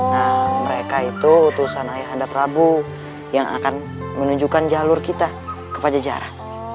nah mereka itu tusan ayah hadap prabu yang akan menunjukkan jalur kita ke pajajara